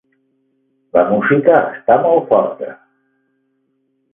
La música està molt forta.